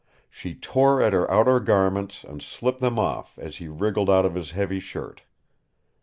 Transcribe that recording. She tore at her outer garments and slipped them off as he wriggled out of his heavy shirt.